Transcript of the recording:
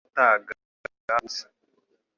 Narategereje nca uwo mutaga wumunsi